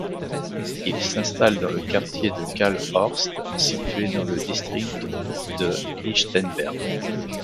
Il s'installe dans le quartier de Karlshorst situé dans le district de Lichtenberg.